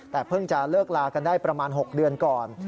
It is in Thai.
แต่เพิ่งจะเลิกลากันได้ประมาณ๖เดือนก่อน